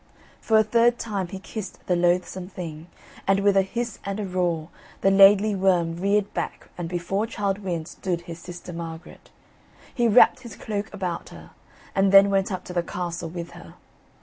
For a third time he kissed the loathsome thing, and with a hiss and a roar the Laidly Worm reared back and before Childe Wynd stood his sister Margaret. He wrapped his cloak about her, and then went up to the castle with her.